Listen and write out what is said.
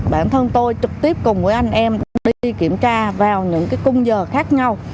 bản thân tôi trực tiếp cùng với anh em đi kiểm tra vào những khung giờ khác nhau